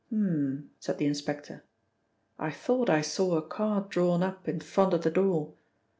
"H'm," said the inspector. "I thought I saw a car drawn up in front of the door.